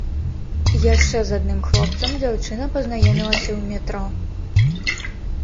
Яшчэ з адным хлопцам дзяўчына пазнаёмілася ў метро.